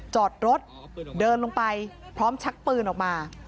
จอดรถเดินลงไปพร้อมชักปืนออกมา